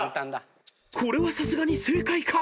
［これはさすがに正解か⁉］